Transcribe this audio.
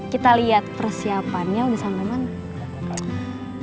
kita liat persiapannya udah sampe mana